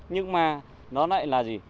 nhưng mà nó lại là gì